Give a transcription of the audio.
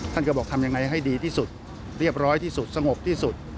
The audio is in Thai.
ท่านก็บอกทำยังไงให้ดีที่สุดเรียบร้อยที่สุดสงบที่สุด